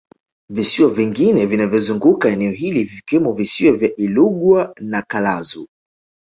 Visiwa vingine vinavyozunguka eneo hili vikiwamo Visiwa vya Ilugwa na Kulazu